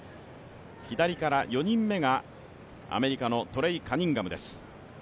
左から４人目がアメリカのトレイ・カニンガムです。